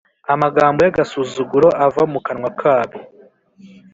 amagambo y agasuzuguro ava mu kanwa kabo.